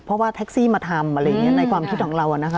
เพราะว่าแท็กซี่มาทำอะไรอย่างนี้ในความคิดของเรานะคะ